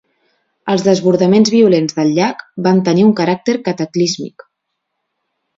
Els desbordaments violents del llac van tenir un caràcter cataclísmic.